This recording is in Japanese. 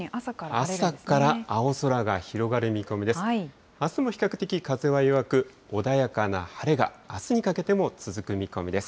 朝から青空が広がる見込みです。